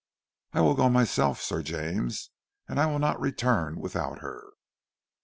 "I will go myself, Sir James, and I will not return without her."